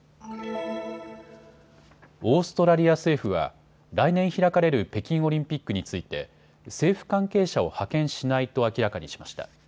オーストラリア政府は来年開かれる北京オリンピックについて政府関係者を派遣しないと明らかにしました。